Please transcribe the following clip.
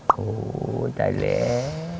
โอ้โฮได้แล้ว